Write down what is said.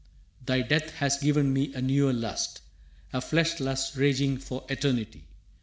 «Thy death has given me a newer lust A flesh lust raging for eternity.